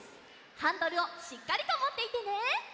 ハンドルをしっかりともっていてね！